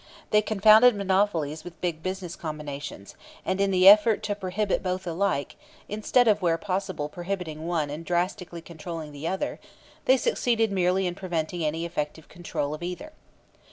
They confounded monopolies with big business combinations, and in the effort to prohibit both alike, instead of where possible prohibiting one and drastically controlling the other, they succeeded merely in preventing any effective control of either.